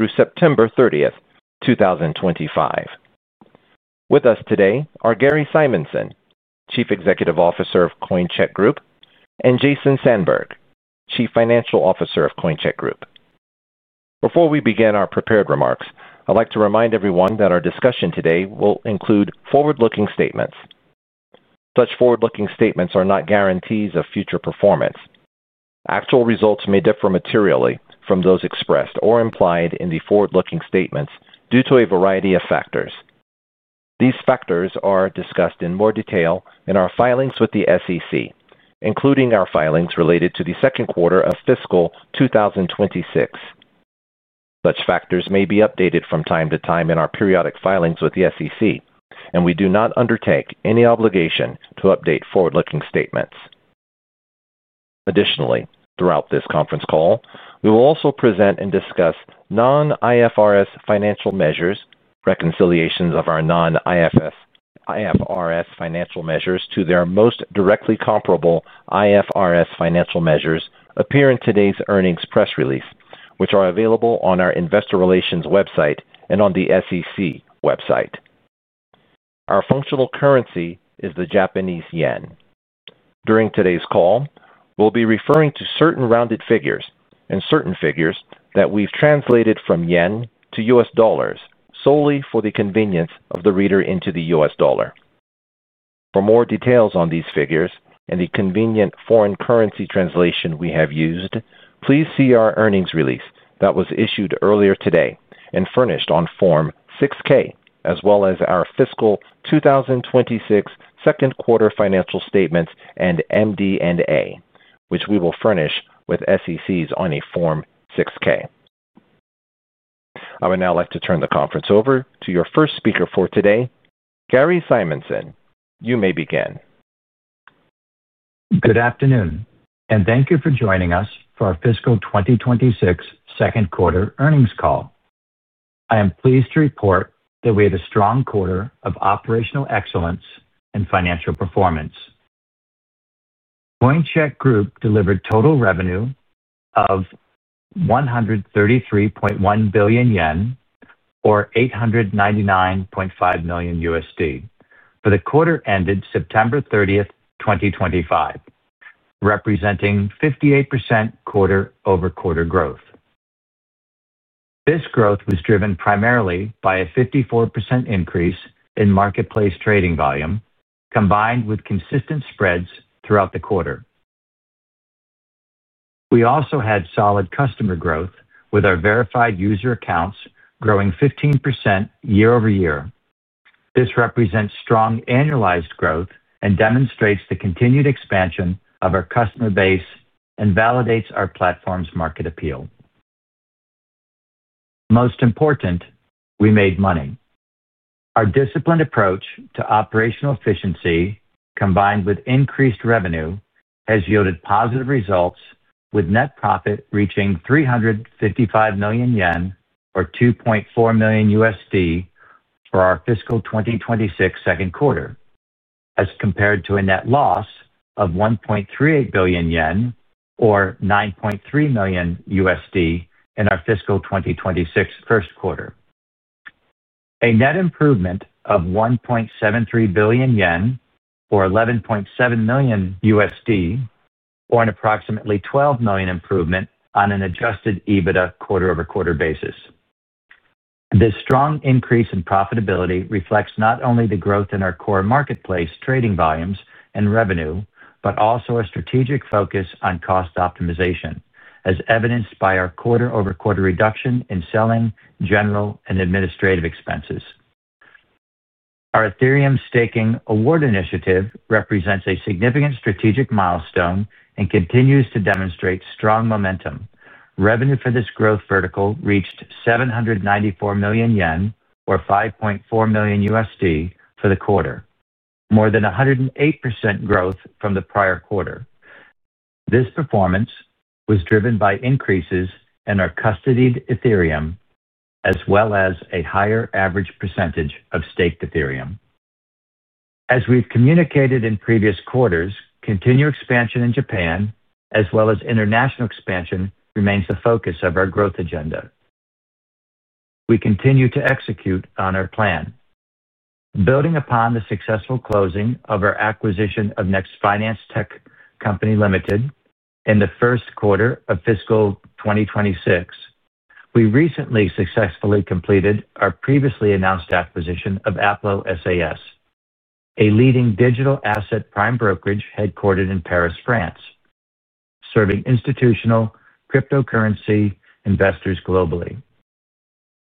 Through September 30, 2025. With us today are Gary Simanson, Chief Executive Officer of Coincheck Group, and Jason Sandberg, Chief Financial Officer of Coincheck Group. Before we begin our prepared remarks, I'd like to remind everyone that our discussion today will include forward-looking statements. Such forward-looking statements are not guarantees of future performance. Actual results may differ materially from those expressed or implied in the forward-looking statements due to a variety of factors. These factors are discussed in more detail in our filings with the SEC, including our filings related to the second quarter of fiscal 2026. Such factors may be updated from time to time in our periodic filings with the SEC, and we do not undertake any obligation to update forward-looking statements. Additionally, throughout this conference call, we will also present and discuss non-IFRS financial measures. Reconciliations of our non-IFRS financial measures to their most directly comparable IFRS financial measures appear in today's earnings press release, which are available on our investor relations website and on the SEC website. Our functional currency is the Japanese yen. During today's call, we'll be referring to certain rounded figures and certain figures that we've translated from yen to US dollars solely for the convenience of the reader into the US dollar. For more details on these figures and the convenient foreign currency translation we have used, please see our earnings release that was issued earlier today and furnished on Form 6K, as well as our fiscal 2026 second quarter financial statements and MD&A, which we will furnish with the SEC on a Form 6-K. I would now like to turn the conference over to your first speaker for today, Gary Simonson. You may begin. Good afternoon, and thank you for joining us for our fiscal 2026 second quarter earnings call. I am pleased to report that we had a strong quarter of operational excellence and financial performance. Coincheck Group delivered total revenue of 133.1 billion yen, or $899.5 million, for the quarter ended September 30, 2025, representing 58% quarter-over-quarter growth. This growth was driven primarily by a 54% increase in marketplace trading volume, combined with consistent spreads throughout the quarter. We also had solid customer growth, with our verified user accounts growing 15% year over year. This represents strong annualized growth and demonstrates the continued expansion of our customer base and validates our platform's market appeal. Most important, we made money. Our disciplined approach to operational efficiency, combined with increased revenue, has yielded positive results, with net profit reaching 355 million yen, or $2.4 million, for our fiscal 2026 second quarter, as compared to a net loss of 1.38 billion yen, or $9.3 million, in our fiscal 2026 first quarter. A net improvement of 1.73 billion yen, or $11.7 million, or an approximately $12 million improvement on an adjusted EBITDA quarter-over-quarter basis. This strong increase in profitability reflects not only the growth in our core marketplace trading volumes and revenue, but also a strategic focus on cost optimization, as evidenced by our quarter-over-quarter reduction in selling, general, and administrative expenses. Our Ethereum Staking award initiative represents a significant strategic milestone and continues to demonstrate strong momentum. Revenue for this growth vertical reached 794 million yen, or $5.4 million, for the quarter, more than 108% growth from the prior quarter. This performance was driven by increases in our custodied Ethereum, as well as a higher average percentage of staked Ethereum. As we've communicated in previous quarters, continued expansion in Japan, as well as international expansion, remains the focus of our growth agenda. We continue to execute on our plan. Building upon the successful closing of our acquisition of Next Finance Tech Company Limited. in the first quarter of fiscal 2026, we recently successfully completed our previously announced acquisition of Aplo SAS, a leading digital asset prime brokerage headquartered in Paris, France, serving institutional cryptocurrency investors globally.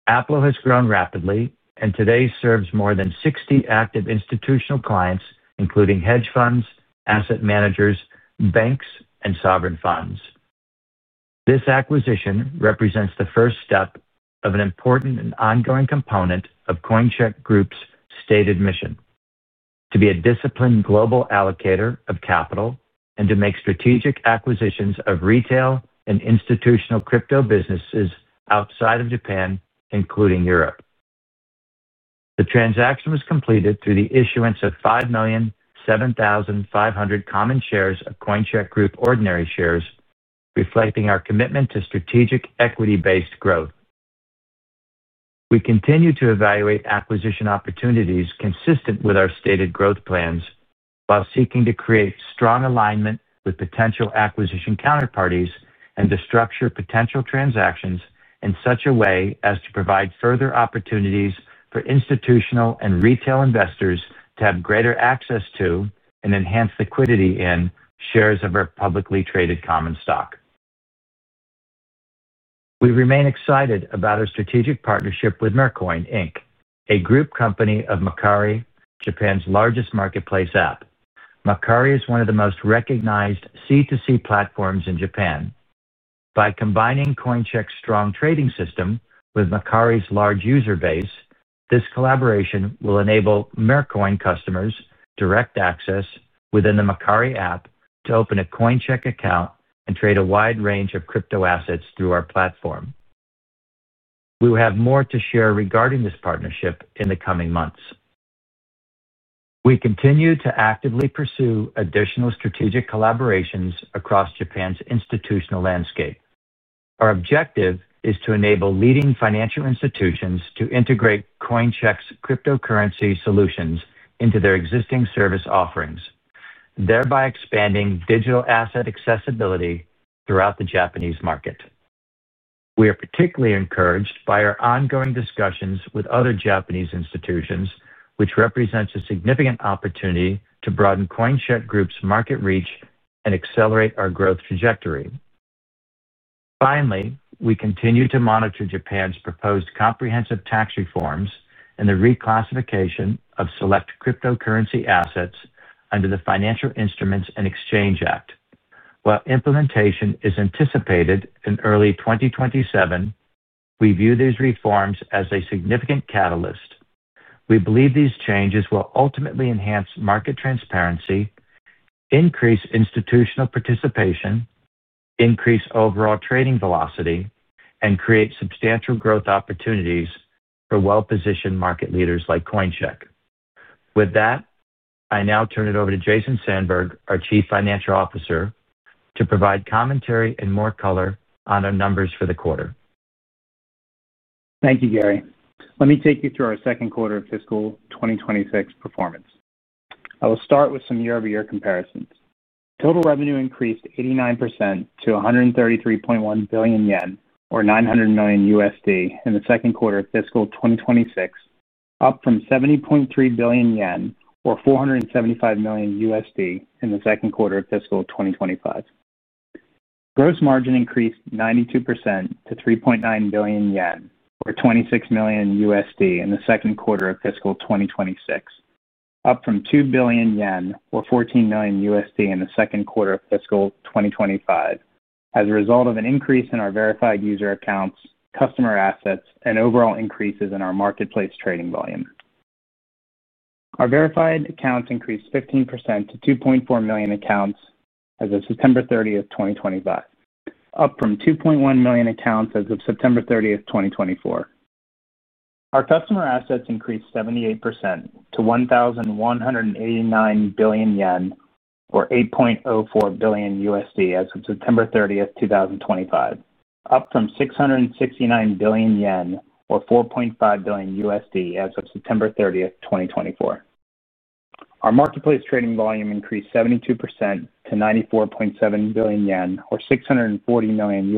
Aplo has grown rapidly and today serves more than 60 active institutional clients, including hedge funds, asset managers, banks, and sovereign funds. This acquisition represents the first step of an important and ongoing component of Coincheck Group's stated mission: to be a disciplined global allocator of capital and to make strategic acquisitions of retail and institutional crypto businesses outside of Japan, including Europe. The transaction was completed through the issuance of 5,007,500 common shares of Coincheck Group ordinary shares, reflecting our commitment to strategic equity-based growth. We continue to evaluate acquisition opportunities consistent with our stated growth plans while seeking to create strong alignment with potential acquisition counterparties and to structure potential transactions in such a way as to provide further opportunities for institutional and retail investors to have greater access to and enhance liquidity in shares of our publicly traded common stock. We remain excited about our strategic partnership with Mercoin Inc., a group company of Mercoin, Japan's largest marketplace app. Mercury is one of the most recognized C2C platforms in Japan. By combining Coincheck's strong trading system with Mercury's large user base, this collaboration will enable Mercoin customers direct access within the Mercury app to open a Coincheck account and trade a wide range of crypto assets through our platform. We will have more to share regarding this partnership in the coming months. We continue to actively pursue additional strategic collaborations across Japan's institutional landscape. Our objective is to enable leading financial institutions to integrate Coincheck's cryptocurrency solutions into their existing service offerings, thereby expanding digital asset accessibility throughout the Japanese market. We are particularly encouraged by our ongoing discussions with other Japanese institutions, which represents a significant opportunity to broaden Coincheck Group's market reach and accelerate our growth trajectory. Finally, we continue to monitor Japan's proposed comprehensive tax reforms and the reclassification of select cryptocurrency assets under the Financial Instruments and Exchange Act. While implementation is anticipated in early 2027, we view these reforms as a significant catalyst. We believe these changes will ultimately enhance market transparency, increase institutional participation, increase overall trading velocity, and create substantial growth opportunities for well-positioned market leaders like Coincheck. With that, I now turn it over to Jason Sandberg, our Chief Financial Officer, to provide commentary and more color on our numbers for the quarter. Thank you, Gary. Let me take you through our second quarter of fiscal 2026 performance. I will start with some year-over-year comparisons. Total revenue increased 89% to 133.1 billion yen, or $900 million, in the second quarter of fiscal 2026, up from 70.3 billion yen, or $475 million, in the second quarter of fiscal 2025. Gross margin increased 92% to 3.9 billion yen, or $26 million, in the second quarter of fiscal 2026, up from JPY 2 billion, or $14 million, in the second quarter of fiscal 2025, as a result of an increase in our verified user accounts, customer assets, and overall increases in our marketplace trading volume. Our verified accounts increased 15% to 2.4 million accounts as of September 30th, 2025, up from 2.1 million accounts as of September 30th, 2024. Our customer assets increased 78% to 1,189 billion yen, or $8.04 billion, as of September 30th, 2025, up from 669 billion yen, or $4.5 billion, as of September 30th, 2024. Our marketplace trading volume increased 72% to 94.7 billion yen, or $640 million,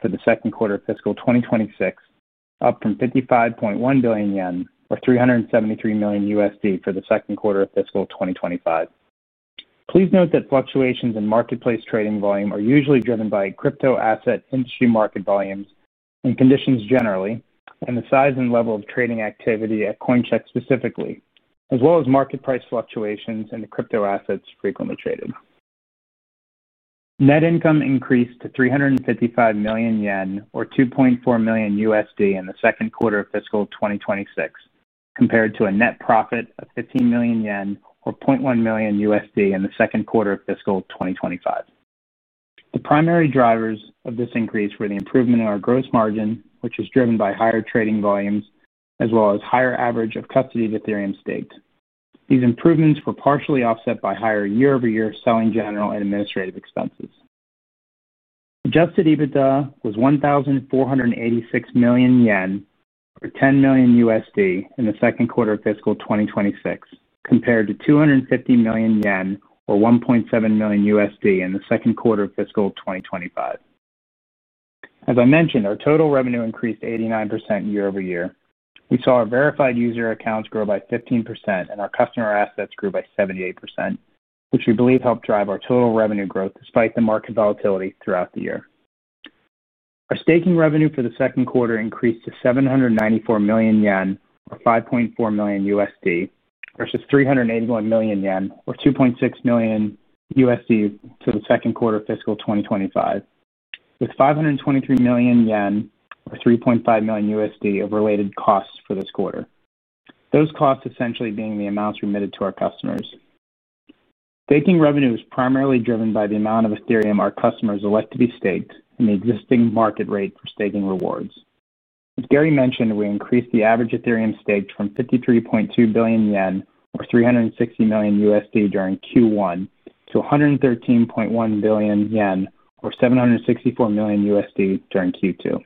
for the second quarter of fiscal 2026, up from 55.1 billion yen, or $373 million, for the second quarter of fiscal 2025. Please note that fluctuations in marketplace trading volume are usually driven by crypto asset industry market volumes and conditions generally, and the size and level of trading activity at Coincheck specifically, as well as market price fluctuations in the crypto assets frequently traded. Net income increased to 355 million yen, or $2.4 million, in the second quarter of fiscal 2026, compared to a net profit of 15 million yen, or $0.1 million, in the second quarter of fiscal 2025. The primary drivers of this increase were the improvement in our gross margin, which was driven by higher trading volumes, as well as a higher average of custodied Ethereum staked. These improvements were partially offset by higher year-over-year selling, general, and administrative expenses. Adjusted EBITDA was 1,486 million yen, or $10 million, in the second quarter of fiscal 2026, compared to 250 million yen, or $1.7 million, in the second quarter of fiscal 2025. As I mentioned, our total revenue increased 89% year-over-year. We saw our verified user accounts grow by 15%, and our customer assets grew by 78%, which we believe helped drive our total revenue growth despite the market volatility throughout the year. Our staking revenue for the second quarter increased to 794 million yen, or $5.4 million, versus 381 million yen, or $2.6 million, to the second quarter of fiscal 2025, with 523 million yen, or $3.5 million, of related costs for this quarter, those costs essentially being the amounts remitted to our customers. Staking revenue is primarily driven by the amount of Ethereum our customers elect to be staked and the existing market rate for staking rewards. As Gary mentioned, we increased the average Ethereum staked from 53.2 billion yen, or $360 million, during Q1 to 113.1 billion yen, or $764 million, during Q2.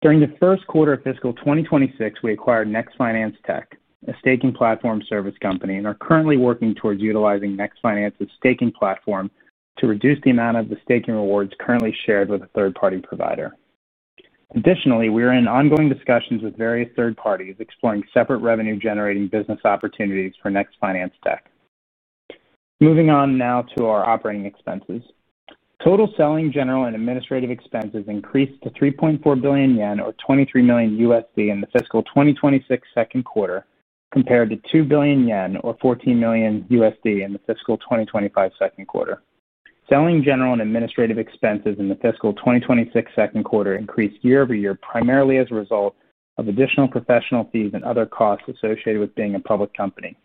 During the first quarter of fiscal 2026, we acquired Next Finance Tech, a staking platform service company, and are currently working towards utilizing Next Finance's staking platform to reduce the amount of the staking rewards currently shared with a third-party provider. Additionally, we are in ongoing discussions with various third parties exploring separate revenue-generating business opportunities for Next Finance Tech. Moving on now to our operating expenses. Total selling, general and administrative expenses increased to 3.4 billion yen, or $23 million, in the fiscal 2026 second quarter, compared to 2 billion yen, or $14 million, in the fiscal 2025 second quarter. Selling, general and administrative expenses in the fiscal 2026 second quarter increased year-over-year primarily as a result of additional professional fees and other costs associated with being a public company,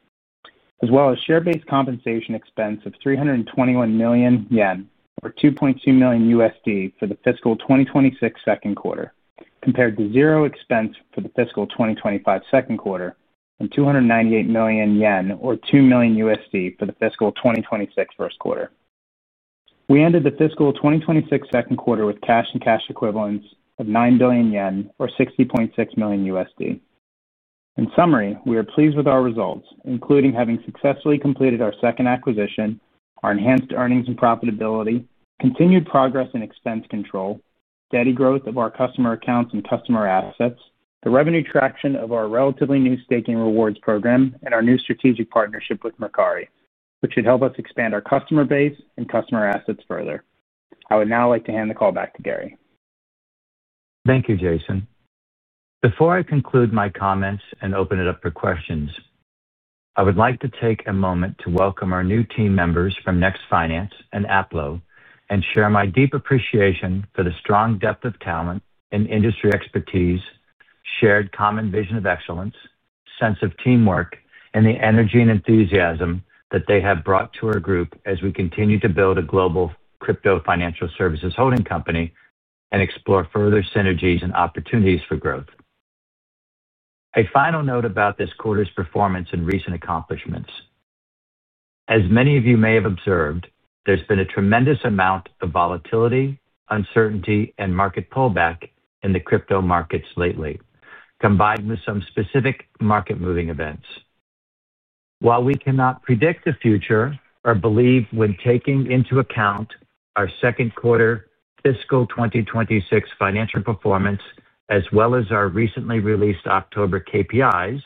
as well as share-based compensation expense of 321 million yen, or $2.2 million, for the fiscal 2026 second quarter, compared to zero expense for the fiscal 2025 second quarter and 298 million yen, or $2 million, for the fiscal 2026 first quarter. We ended the fiscal 2026 second quarter with cash and cash equivalents of 9 billion yen, or $60.6 million. In summary, we are pleased with our results, including having successfully completed our second acquisition, our enhanced earnings and profitability, continued progress in expense control, steady growth of our customer accounts and customer assets, the revenue traction of our relatively new staking rewards program, and our new strategic partnership with Mercari, which should help us expand our customer base and customer assets further. I would now like to hand the call back to Gary. Thank you, Jason. Before I conclude my comments and open it up for questions, I would like to take a moment to welcome our new team members from Next Finance and Aplo and share my deep appreciation for the strong depth of talent and industry expertise, shared common vision of excellence, sense of teamwork, and the energy and enthusiasm that they have brought to our group as we continue to build a global crypto financial services holding company and explore further synergies and opportunities for growth. A final note about this quarter's performance and recent accomplishments. As many of you may have observed, there has been a tremendous amount of volatility, uncertainty, and market pullback in the crypto markets lately, combined with some specific market-moving events. While we cannot predict the future or believe when taking into account our second quarter fiscal 2026 financial performance, as well as our recently released October KPIs,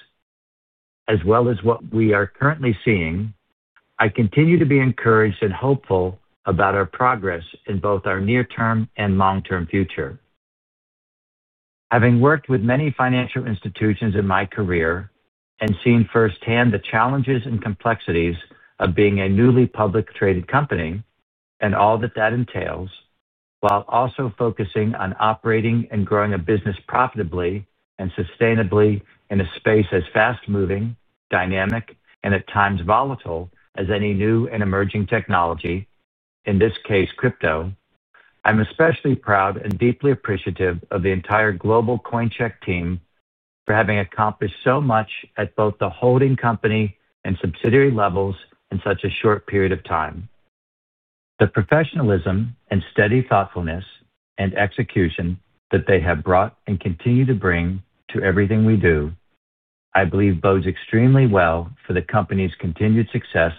as well as what we are currently seeing, I continue to be encouraged and hopeful about our progress in both our near-term and long-term future. Having worked with many financial institutions in my career and seen firsthand the challenges and complexities of being a newly publicly traded company and all that that entails, while also focusing on operating and growing a business profitably and sustainably in a space as fast-moving, dynamic, and at times volatile as any new and emerging technology, in this case, crypto, I'm especially proud and deeply appreciative of the entire global Coincheck team for having accomplished so much at both the holding company and subsidiary levels in such a short period of time. The professionalism and steady thoughtfulness and execution that they have brought and continue to bring to everything we do, I believe, bodes extremely well for the company's continued success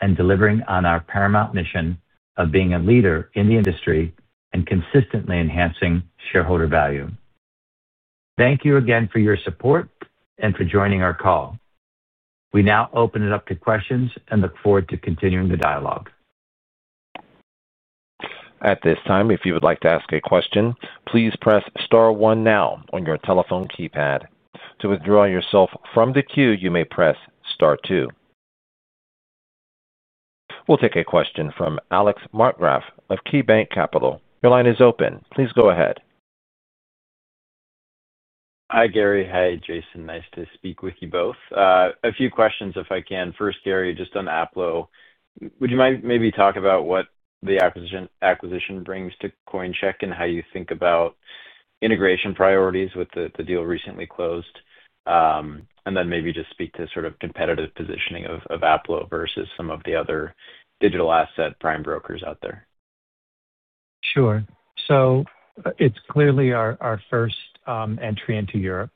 and delivering on our paramount mission of being a leader in the industry and consistently enhancing shareholder value. Thank you again for your support and for joining our call. We now open it up to questions and look forward to continuing the dialogue. At this time, if you would like to ask a question, please press star one now on your telephone keypad. To withdraw yourself from the queue, you may press star two. We will take a question from Alex Markgraff of KeyBanc Capital. Your line is open. Please go ahead. Hi, Gary. Hi, Jason. Nice to speak with you both. A few questions, if I can. First, Gary, just on Aplo. Would you mind maybe talking about what the acquisition brings to Coincheck and how you think about integration priorities with the deal recently closed? Maybe just speak to sort of competitive positioning of Aplo versus some of the other digital asset prime brokers out there. Sure. It is clearly our first entry into Europe.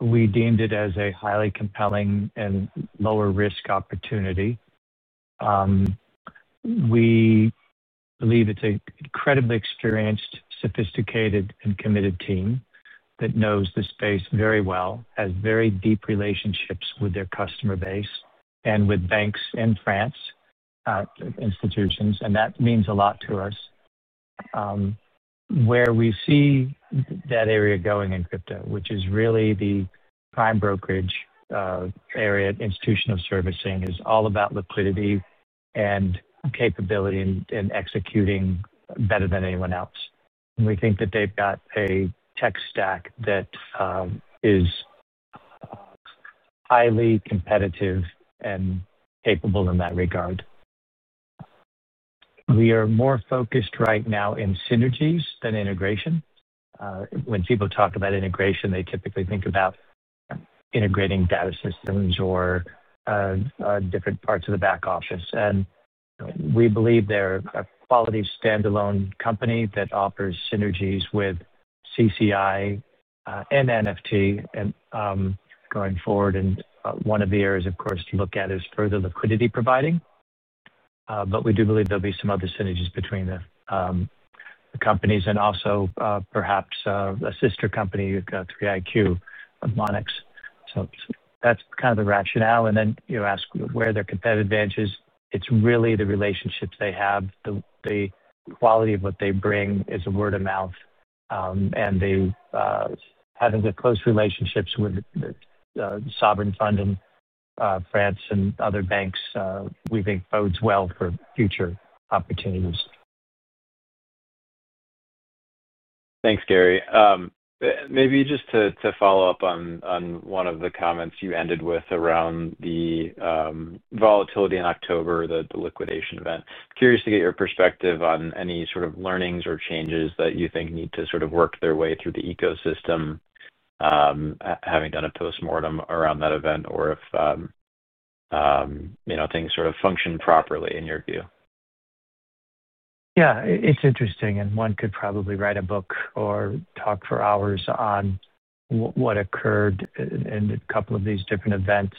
We deemed it as a highly compelling and lower-risk opportunity. We believe it is an incredibly experienced, sophisticated, and committed team that knows the space very well, has very deep relationships with their customer base and with banks in France, institutions, and that means a lot to us. Where we see that area going in crypto, which is really the prime brokerage area at institutional servicing, is all about liquidity and capability in executing better than anyone else. We think that they have got a tech stack that is highly competitive and capable in that regard. We are more focused right now on synergies than integration. When people talk about integration, they typically think about integrating data systems or different parts of the back office. We believe they are a quality standalone company that offers synergies with CCI and NFT going forward. One of the areas, of course, to look at is further liquidity providing. We do believe there will be some other synergies between the companies and also perhaps a sister company, 3iQ of Monex. That is kind of the rationale. You ask where their competitive advantage is. It is really the relationships they have. The quality of what they bring is a word of mouth. Having the close relationships with Sovereign Fund in France and other banks, we think bodes well for future opportunities. Thanks, Gary. Maybe just to follow up on one of the comments you ended with around the volatility in October, the liquidation event. Curious to get your perspective on any sort of learnings or changes that you think need to sort of work their way through the ecosystem, having done a postmortem around that event, or if things sort of function properly in your view. Yeah. It's interesting. One could probably write a book or talk for hours on what occurred in a couple of these different events.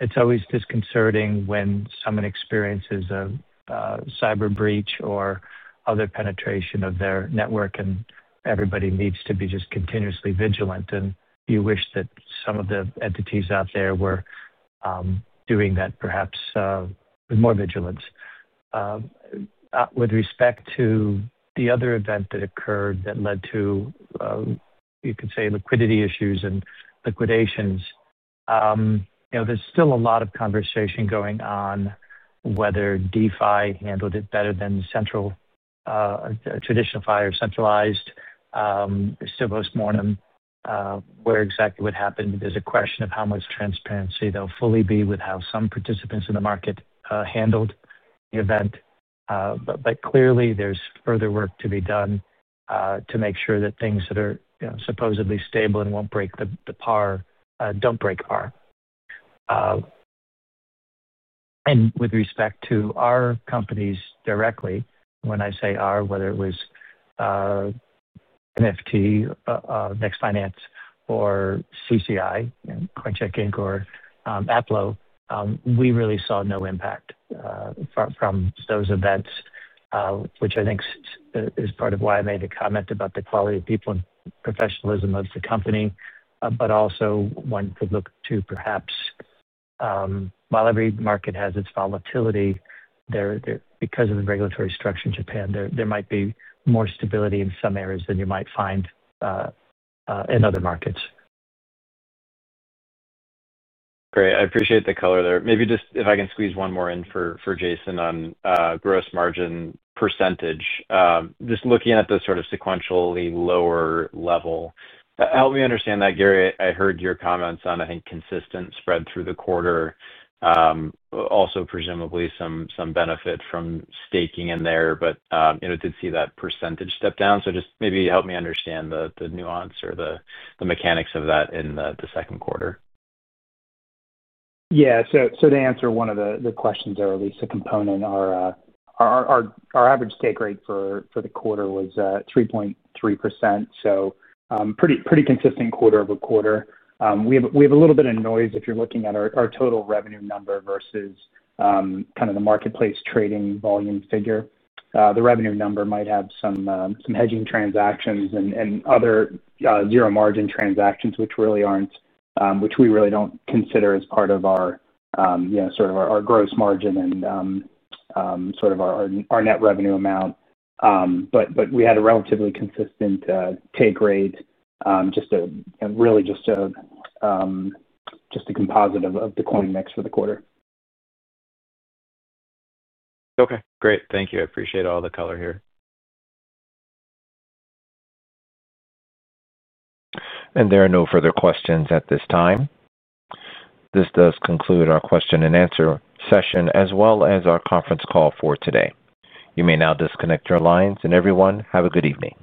It's always disconcerting when someone experiences a cyber breach or other penetration of their network, and everybody needs to be just continuously vigilant. You wish that some of the entities out there were doing that, perhaps with more vigilance. With respect to the other event that occurred that led to, you could say, liquidity issues and liquidations, there's still a lot of conversation going on whether DeFi handled it better than the traditional, centralized, still postmortem, where exactly what happened. There's a question of how much transparency there will fully be with how some participants in the market handled the event. Clearly, there's further work to be done to make sure that things that are supposedly stable and won't break the par don't break par. With respect to our companies directly, when I say our, whether it was NFT, Next Finance, or CCI, Coincheck, or Aplo, we really saw no impact from those events, which I think is part of why I made the comment about the quality of people and professionalism of the company. Also, one could look to perhaps, while every market has its volatility, because of the regulatory structure in Japan, there might be more stability in some areas than you might find in other markets. Great. I appreciate the color there. Maybe just if I can squeeze one more in for Jason on gross margin percentage. Just looking at the sort of sequentially lower level, help me understand that, Gary. I heard your comments on, I think, consistent spread through the quarter, also presumably some benefit from staking in there, but did see that percentage step down. Just maybe help me understand the nuance or the mechanics of that in the second quarter. Yeah. To answer one of the questions or at least a component, our average stake rate for the quarter was 3.3%. Pretty consistent quarter over quarter. We have a little bit of noise if you're looking at our total revenue number versus kind of the marketplace trading volume figure. The revenue number might have some hedging transactions and other zero-margin transactions, which we really do not consider as part of our sort of our gross margin and sort of our net revenue amount. We had a relatively consistent take rate, really just a composite of the coin mix for the quarter. Okay. Great. Thank you. I appreciate all the color here. There are no further questions at this time. This does conclude our question and answer session, as well as our conference call for today. You may now disconnect your lines. Everyone, have a good evening.